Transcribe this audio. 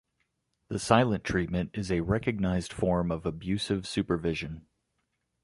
The silent treatment is a recognized form of abusive supervision.